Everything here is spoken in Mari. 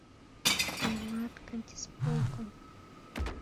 Киямат кантисполком!..